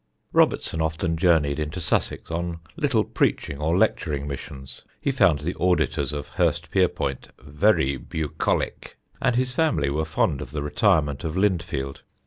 Robertson often journeyed into Sussex on little preaching or lecturing missions (he found the auditors of Hurstpierpoint "very bucolic"), and his family were fond of the retirement of Lindfield.